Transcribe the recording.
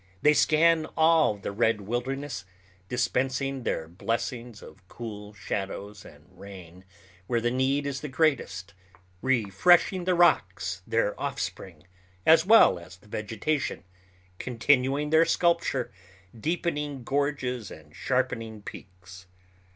They scan all the red wilderness, dispensing their blessings of cool shadows and rain where the need is the greatest, refreshing the rocks, their offspring as well as the vegetation, continuing their sculpture, deepening gorges and sharpening peaks.